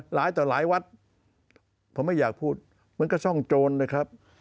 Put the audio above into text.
หลายต่อหลายวัดผมไม่อยากพูดมันก็ซ่องโจรนะครับ